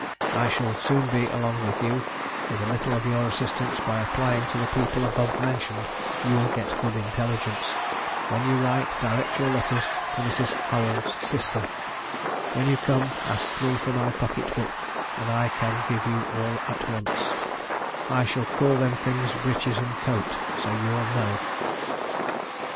I shall soon be along with you, with a little of your assistance; by applying to the people above mentioned you will get good intelligence. When you write, direct your letters to Mrs. Howell's sister. When you come, ask me for my pocket book, and I can give you all at once. I shall call them things breeches and coat, so you will know."